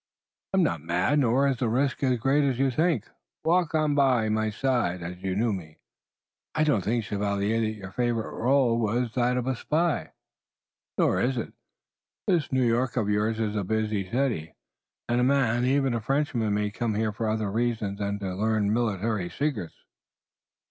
"I am not mad, nor is the risk as great as you think. Walk on by my side, as if you knew me." "I did not think, chevalier, that your favorite role was that of a spy." "Nor is it. This New York of yours is a busy city, and a man, even a Frenchman, may come here for other reasons than to learn military secrets."